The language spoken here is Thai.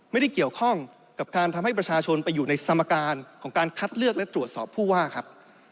ไม่ได้เกี่ยวข้องกับการทำให้ประชาชนไปอยู่ในสมการของการคัดเลือกและตรวจสอบผู้ว่าครับ